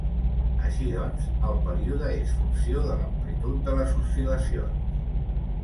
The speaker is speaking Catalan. Així doncs, el període és funció de l'amplitud de les oscil·lacions.